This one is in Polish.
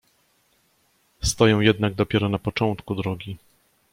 "Stoję jednak dopiero na początku drogi!"